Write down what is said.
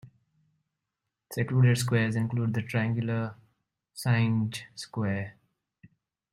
Secluded squares include the triangular Canynge Square.